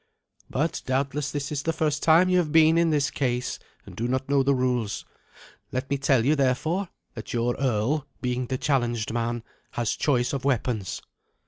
But doubtless this is the first time you have been in this case, and do not know the rules. Let me tell you, therefore, that your earl, being the challenged man, has choice of weapons.